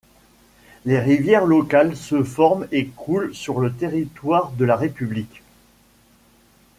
Les rivières locales se forment et coulent sur le territoire de la République.